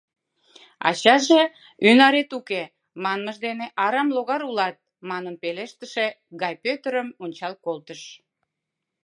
Ачаже «Ӱнарет уке» манмыж дене «Арам логар улат» манын пелештыше гай Пӧтырым ончал колтыш.